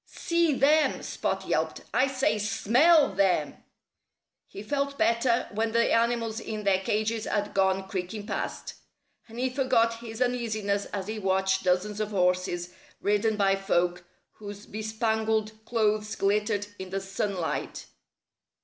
"See them!" Spot yelped. "I say, smell them!" He felt better when the animals in their cages had gone creaking past. And he forgot his uneasiness as he watched dozens of horses, ridden by folk whose bespangled clothes glittered in the sunlight.